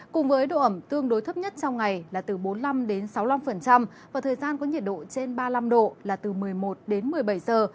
cùng với độ ẩm tương đối thấp nhất trong ngày là từ bốn mươi năm sáu mươi năm và thời gian có nhiệt độ trên ba mươi năm độ là từ một mươi một đến một mươi bảy giờ